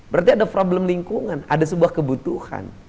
berarti ada problem lingkungan ada sebuah kebutuhan